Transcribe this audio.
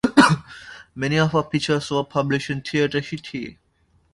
Many of her pictures were published in "Theater heute".